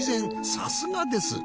さすがです。